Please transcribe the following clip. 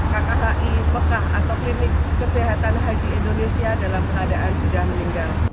kkhi mekah atau klinik kesehatan haji indonesia dalam keadaan sudah meninggal